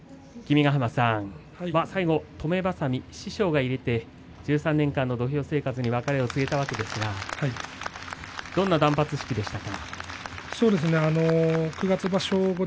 君ヶ濱さん、最後止めばさみを師匠が入れて１３年間の土俵生活に別れを告げたわけですがどんな断髪式でしたか？